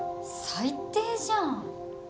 ・最低じゃん。